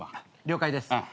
了解です。